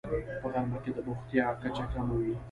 په غرمه کې د بوختیا کچه کمه وي